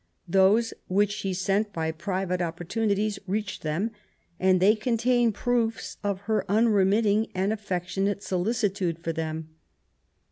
Those which she sent by private opportunities reached them, and they contain proofs of her unremitting and affectionate solici tude for them.